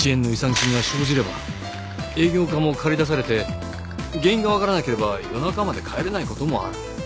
金が生じれば営業課も駆り出されて原因がわからなければ夜中まで帰れない事もある。